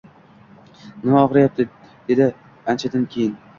Nima og‘riydi? — deydi anchadan keyin.